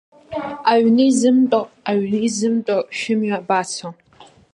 Аҩны изымтәо, аҩны изымтәо, шәымҩа абацо?